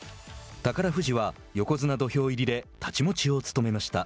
宝富士は横綱土俵入りで太刀持ちを務めました。